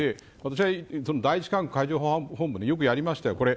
私は第１管区海上保安部でよくやりましたよ。